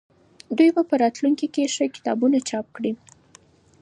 دوی به په راتلونکي کې ښه کتابونه چاپ کړي.